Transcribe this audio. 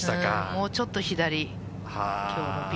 もうちょっと左。